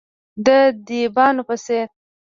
د دیبانو په څیر،